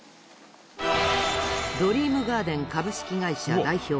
ドリームガーデン株式会社代表